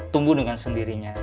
tumbuh dengan sendirinya